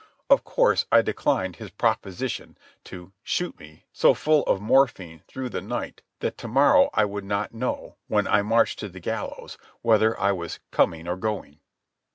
Of course I declined his proposition to "shoot me" so full of morphine through the night that to morrow I would not know, when I marched to the gallows, whether I was "coming or going."